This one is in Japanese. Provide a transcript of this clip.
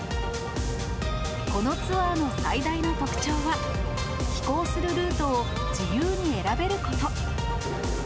このツアーの最大の特徴は、飛行するルートを自由に選べること。